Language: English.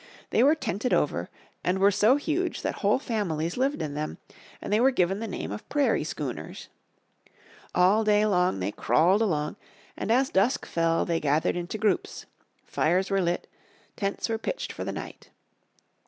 They were tented over and were so huge that whole families lived in them, and they were given the name of prairie schooners. All day long they crawled along and as dusk fell they gathered into groups. Fires were lit, tents pitched for the night.